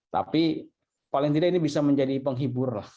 tapi paling tidak ini bisa menjadi penghibur lah